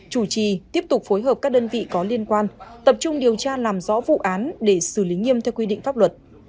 chủ trì tiếp tục phối hợp các đơn vị có liên quan tập trung điều tra làm rõ vụ án để xử lý nghiêm theo quy định pháp luật